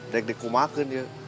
dek dikumaken yuk